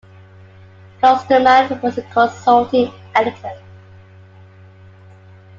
Klosterman was a consulting editor.